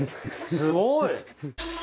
すごい！